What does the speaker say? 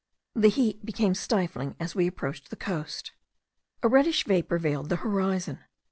The heat became stifling as we approached the coast. A reddish vapour veiled the horizon.